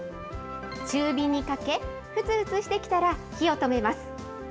中火にかけ、ふつふつしてきたら火を止めます。